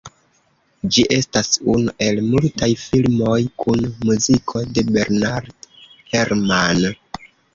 Ĝi estas unu el multaj filmoj kun muziko de Bernard Herrmann.